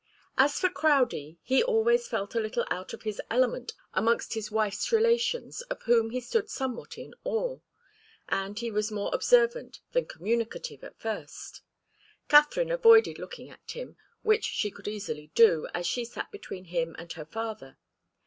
As for Crowdie, he always felt a little out of his element amongst his wife's relations, of whom he stood somewhat in awe, and he was more observant than communicative at first. Katharine avoided looking at him, which she could easily do, as she sat between him and her father.